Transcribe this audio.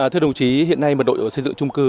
thưa đồng chí hiện nay mật đội xây dựng trung cư